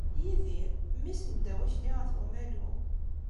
Yidir, mmi-s n Dda Wakli At Umalu.